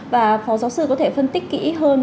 và phó giáo sư có thể phân tích kỹ hơn